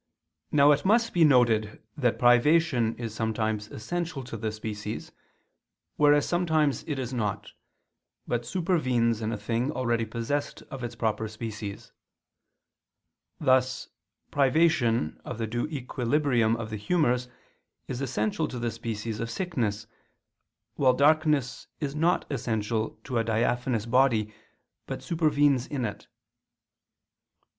Now it must be noted that privation is sometimes essential to the species, whereas sometimes it is not, but supervenes in a thing already possessed of its proper species: thus privation of the due equilibrium of the humors is essential to the species of sickness, while darkness is not essential to a diaphanous body, but supervenes in it.